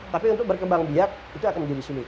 tapi untuk berkembang biak itu akan menjadi sulit